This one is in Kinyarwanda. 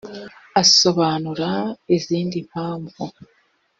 asobanura izindi mpamvu